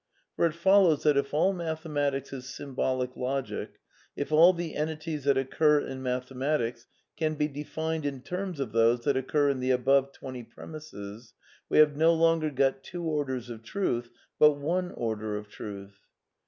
Eor it follows that if all mathematics is symbolic logic, if ^^ all the entities that occur in mathematics can be de* fined in terms of those that occur in the above twenty premisses,'* we have no longer got two orders of truth, but one order of truth.